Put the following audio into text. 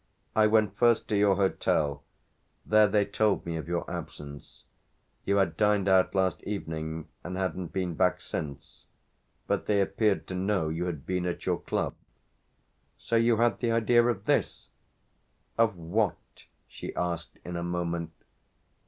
"I went first to your hotel where they told me of your absence. You had dined out last evening and hadn't been back since. But they appeared to know you had been at your club." "So you had the idea of this ?" "Of what?" she asked in a moment.